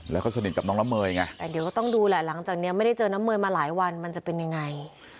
แล้วก็สนิทกับน้องละเมยไงแต่เดี๋ยวก็ต้องดูแหละหลังจากนี้ไม่ได้เจอน้ำเมยมาหลายวันมันจะเป็นยังไง